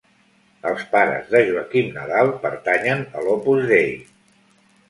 Els pares de Joaquim Nadal pertanyen a l'Opus Dei.